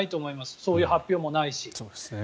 そういう発表もないし。